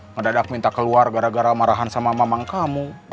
mendadak minta keluar gara gara marahan sama mamang kamu